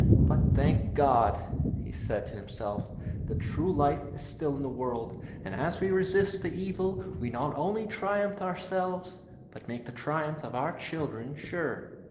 'But, thank God,' he said to himself, 'the True Life is still in the world, and as we resist the evil we not only triumph ourselves, but make the triumph of our children sure.'